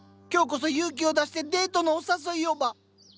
今日こそ勇気を出してデートのお誘いをば！